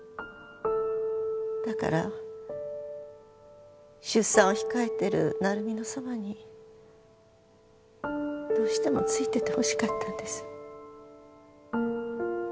だから出産を控えてる成美のそばにどうしても付いててほしかったんです。